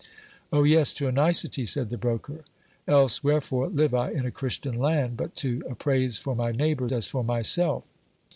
Oh yes! to a nicety, said the broker. Else wherefore live I in a Christian land, but to ap praise for my neighbour as for myself?